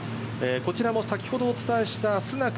こちらも先ほどお伝えしたスナク